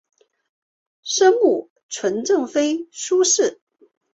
生母纯贵妃苏氏。